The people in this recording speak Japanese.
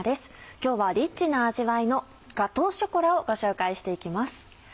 今日はリッチな味わいの「ガトーショコラ」をご紹介していきます。